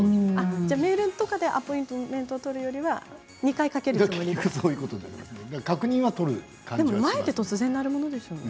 メールでアポイントを取るよりは２回かけるということですか。